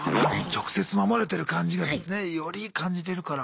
直接守れてる感じがねより感じれるから。